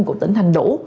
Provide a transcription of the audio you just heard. của tỉnh thành đủ